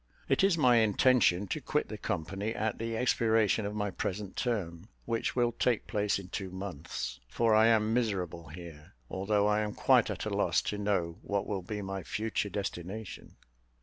It is my intention to quit the company at the expiration of my present term, which will take place in two months, for I am miserable here, although I am quite at a loss to know what will be my future destination."